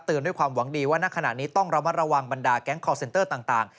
เตือนด้วยความหวังดีว่าณขณะนี้ต้องระวังบรรดาแก๊งคอลเซนเตอร์ต่าง